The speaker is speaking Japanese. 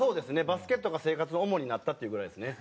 バスケットが生活の主になったっていうぐらいですね。